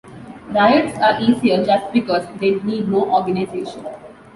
Riots are easier just because they need no organization.